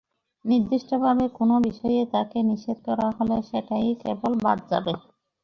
নির্দিষ্টভাবে কোনো বিষয়ে তাকে নিষেধ করা হলে সেটাই কেবল বাদ যাবে।